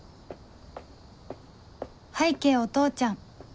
拝啓お父ちゃん